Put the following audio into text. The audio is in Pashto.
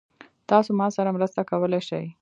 تاسو ما سره مرسته کولی شئ؟